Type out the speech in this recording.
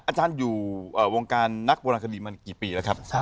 อาจารย์อยู่วงการนักโบราณคดีมากี่ปีแล้วครับ